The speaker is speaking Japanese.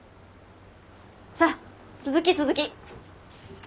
さあ続き続き。